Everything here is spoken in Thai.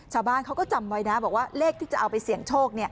ชาวบ้านเขาก็จำไว้นะบอกว่าเลขที่จะเอาไปเสี่ยงโชค